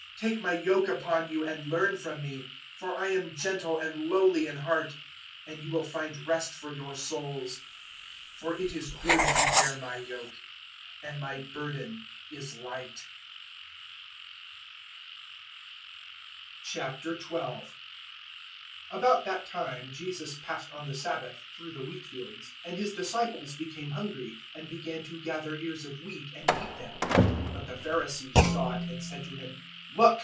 011:029 Take my yoke upon you and learn from me; for I am gentle and lowly in heart, and you will find rest for your souls. 011:030 For it is good to bear my yoke, and my burden is light." 012:001 About that time Jesus passed on the Sabbath through the wheatfields; and His disciples became hungry, and began to gather ears of wheat and eat them. 012:002 But the Pharisees saw it and said to Him, "Look!